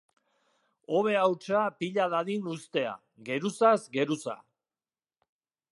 Hobe hautsa pila dadin uztea, geruzaz geruza.